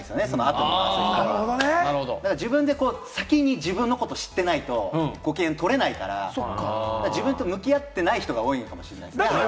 後回しする場合は、自分で先に自分のことを知ってないとご機嫌取れないから、自分と向き合ってない人が多いのかもしれない。